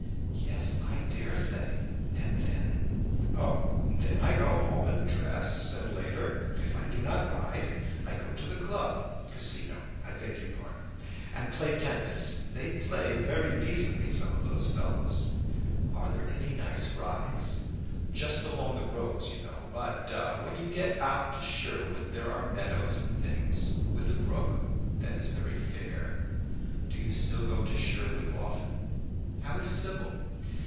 "Yes, I dare say. And then?" "Oh, then I go home and dress: and later, if I do not ride, I go to the club casino, I beg its pardon! and play tennis. They play very decently, some of those fellows." "Are there any nice rides?" "Just along the roads, you know. But when you get out to Sherwood there are meadows and things with a brook. That is very fair." "Do you still go to Sherwood often? How is Sybil?"